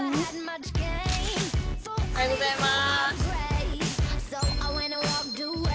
おはようございます。